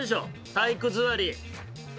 体育座り！